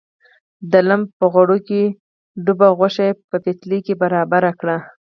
د لم په غوړو کې ډوبه غوښه یې په پتیله کې برابره کړه.